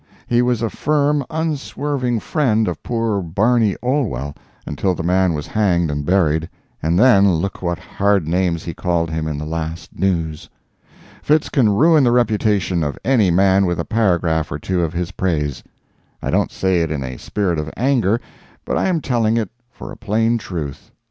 He was a firm, unswerving friend of poor Barney Olwell until the man was hanged and buried, and then look what hard names he called him in the last News. Fitz can ruin the reputation of any man with a paragraph or two of his praise. I don't say it in a spirit of anger, but I am telling it for a plain truth.